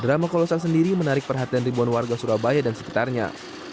drama kolosa sendiri menarik perhatian ribuan warga surabaya dan sekitarnya